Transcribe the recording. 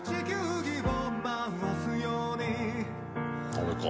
「あれか」